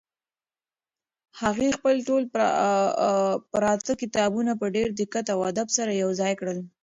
هغې خپل ټول پراته کتابونه په ډېر دقت او ادب سره یو ځای کړل.